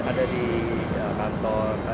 ada di kantor